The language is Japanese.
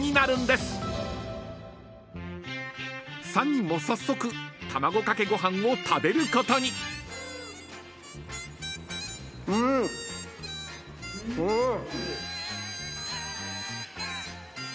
［３人も早速卵かけご飯を食べることに］おっ！